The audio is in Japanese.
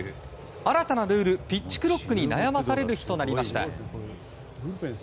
新たなルール、ピッチクロックに悩まされる日となりました。